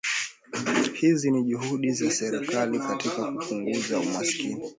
Hizi ni juhudi za serikali katika kupunguza umaskini